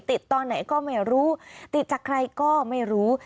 ตอนไหนก็ไม่รู้ติดจากใครก็ไม่รู้